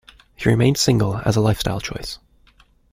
He remained single as a lifestyle choice.